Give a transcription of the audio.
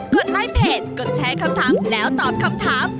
ดไลค์เพจกดแชร์คำถามแล้วตอบคำถาม